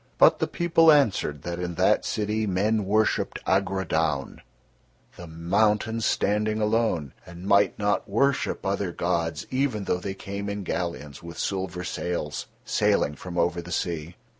But the people answered that in that city men worshipped Agrodaun, the mountain standing alone, and might not worship other gods even though they came in galleons with silver sails, sailing from over the sea.